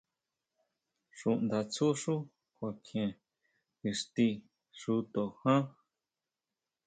Xúʼndatsú xú kuakjien ixti xúto ján.